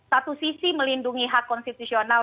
satu sisi melindungi hak konstitusional